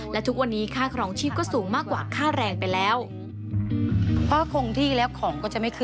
และทุกวันนี้ค่าคลองชีพ